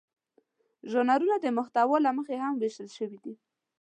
ژانرونه د محتوا له مخې هم وېشل شوي دي.